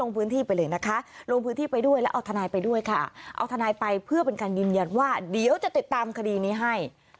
เพื่อเป็นการยืนยันว่าเดี๋ยวจะติดตามคดีนี้ให้